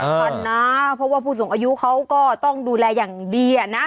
ท่านนะเพราะว่าผู้สูงอายุเขาก็ต้องดูแลอย่างดีนะ